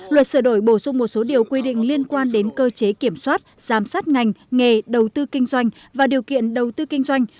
luật sửa đổi bổ sung một số điều quy định liên quan đến cơ chế kiểm soát giám sát ngành nghề đầu tư kinh doanh và điều kiện đầu tư kinh doanh